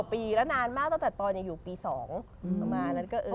๑๐กว่าปีแล้วนานมากตั้งแต่ตอนอยู่ปี๒ประมาณนั้นก็เออ